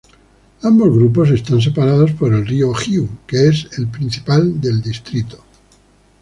Ambos grupos están separados por el río Jiu, que es el principal del distrito.